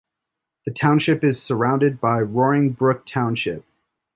The township is surrounded by Roaring Brook Township.